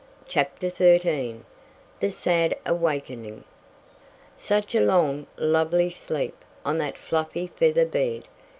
CHAPTER XIII THE SAD AWAKENING Such a long, lovely sleep, on that fluffy feather bed!